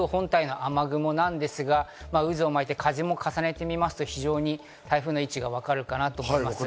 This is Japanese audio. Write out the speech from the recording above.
これが台風本体の雨雲ですが、渦を巻いて、風も重ねてみますと、非常に台風の位置が分かるかなと思います。